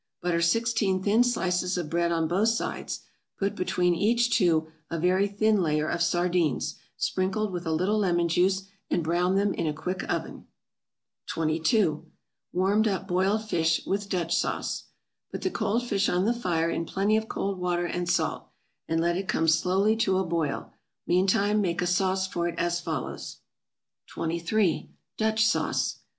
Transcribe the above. = Butter sixteen thin slices of bread on both sides, put between each two a very thin layer of sardines, sprinkled with a little lemon juice, and brown them in a quick oven. 22. =Warmed up boiled fish, with Dutch Sauce.= Put the cold fish on the fire in plenty of cold water and salt, and let it come slowly to a boil; meantime make a sauce for it as follows. 23. =Dutch Sauce.